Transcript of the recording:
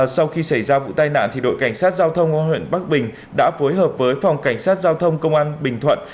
sau khi xảy ra vụ tai nạn đội cảnh sát giao thông công an huyện bắc bình đã phối hợp với phòng cảnh sát giao thông công an bình thuận